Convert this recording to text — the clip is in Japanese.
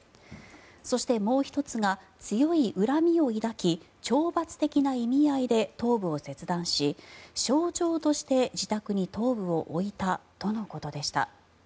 そしてもう１つが強い恨みを抱き懲罰的な意味合いで頭部を切断し象徴として自宅に頭部を置いたとのことでした。